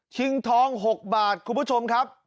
ทอง๖บาทคุณผู้ชมครับ